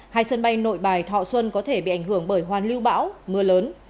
hai sân bay nội bài thọ xuân có thể bị ảnh hưởng bởi hoàn lưu bão mưa lớn